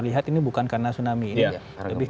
lihat ini bukan karena tsunami ini lebih